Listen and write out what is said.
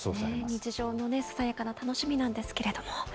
日常のささやかな楽しみなんですけれども。